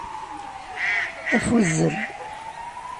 Afuzzel.